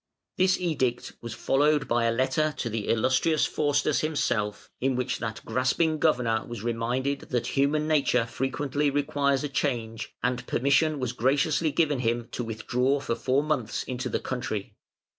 This edict was followed by a letter to the Illustrious Faustus himself, in which that grasping governor was reminded that human nature frequently requires a change, and permission was graciously given him to withdraw for four months into the country.